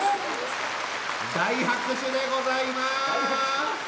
大拍手でございます。